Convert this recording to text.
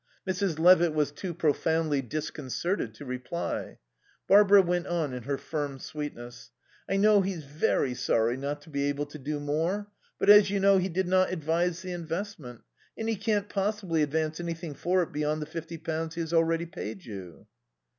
Mrs. Levitt was too profoundly disconcerted to reply. Barbara went on in her firm sweetness. "I know he's very sorry not to be able to do more, but, as you know, he did not advise the investment and he can't possibly advance anything for it beyond the fifty pounds he has already paid you."